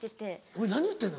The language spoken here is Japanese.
お前何言ってるの？